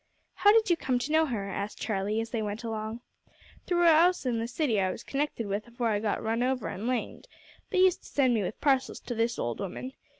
"How did you come to know her?" asked Charlie, as they went along. "Through a 'ouse in the city as I was connected with afore I got run over an' lamed. They used to send me with parcels to this old 'ooman.